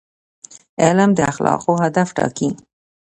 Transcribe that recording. علم د اخلاقو هدف ټاکي.